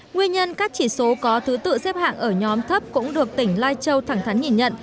nguyên nhân các chỉ số có thứ tự xếp hạng ở nhóm thấp cũng được tỉnh lai châu thẳng thắn nhìn nhận